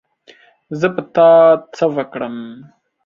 زه په تا څه وکړم